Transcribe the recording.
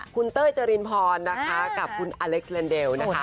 คุณเต้ยเจรินพรนะคะกับคุณอเล็กเลนเดลนะคะ